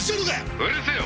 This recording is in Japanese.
「うるせえよ！！